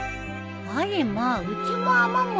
あれまあうちも雨漏りか。